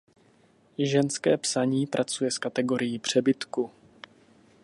Ženské psaní pracuje s kategorií přebytku.